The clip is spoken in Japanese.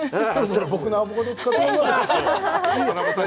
僕のアボカドも使ってください。